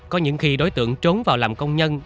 có những khi đối tượng trốn vào làm công nhân